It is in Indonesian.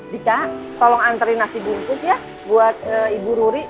dika tolong antri nasi bungkus ya buat ibu ruri